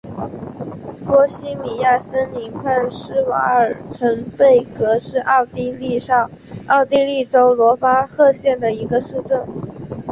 波希米亚森林畔施瓦尔岑贝格是奥地利上奥地利州罗巴赫县的一个市镇。